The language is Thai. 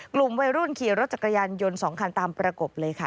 กลุ่มวัยรุ่นขี่รถจักรยานยนต์๒คันตามประกบเลยค่ะ